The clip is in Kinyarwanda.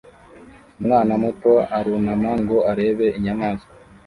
Umwana muto arunama ngo arebe inyamaswa